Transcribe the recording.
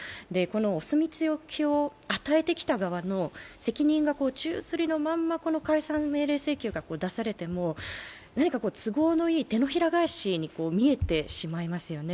お墨付きを与えてきた側の責任が宙づりのまま、この解散命令請求が出されても、何か都合のいい手のひら返しに見えてしまいますよね。